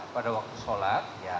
pada waktu sholat